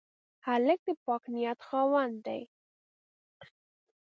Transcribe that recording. هلک د پاک نیت خاوند دی.